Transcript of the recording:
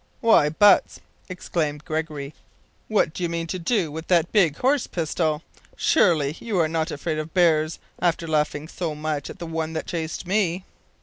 "Why, Butts," exclaimed Gregory, "what do you mean to do with that big horse pistol? Surely you are not afraid of bears after laughing so much at the one that chased me?"